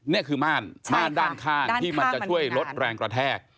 นี่คือม่านด้านข้างที่มันจะช่วยลดแรงกระแทก